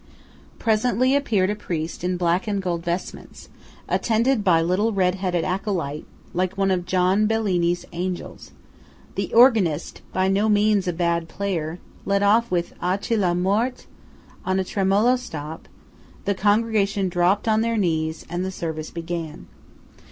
Presently appeared a priest in black and gold vestments, attended by little red headed acolyte, like one of John Bellini's angels; the organist (by no means a bad player) led off with "Ah che la Morte " on a tremolo stop; the congregation dropped on their knees; and the service began.